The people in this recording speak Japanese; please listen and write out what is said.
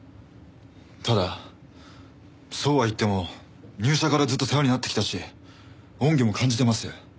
ただそうは言っても入社からずっと世話になってきたし恩義も感じてます。